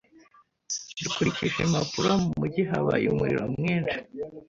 Dukurikije impapuro, mu mujyi habaye umuriro mwinshi